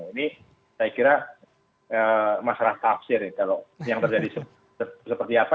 ini saya kira masalah tafsir kalau yang terjadi seperti apa